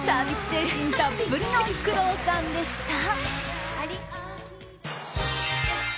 精神たっぷりの工藤さんでした。